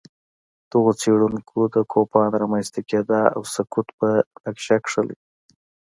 دغو څېړونکو د کوپان رامنځته کېدا او سقوط په نقشه کښلي